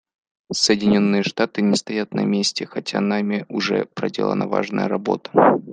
Соединенные Штаты не стоят на месте, хотя нами уже проделана важная работа.